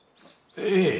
ええ。